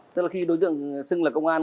tức là khi đối tượng xưng là công an